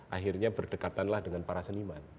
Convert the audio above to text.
akhirnya berdekatanlah dengan para seniman